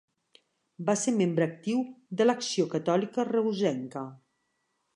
Va ser membre actiu de l'Acció Catòlica reusenca.